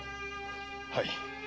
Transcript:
はい。